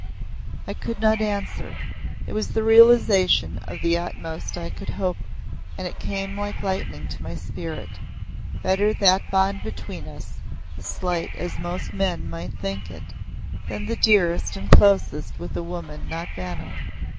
I could not answer it was the realization of the utmost I could hope and it came like healing to my spirit. Better that bond between us, slight as most men might think it, than the dearest and closest with a woman not Vanna.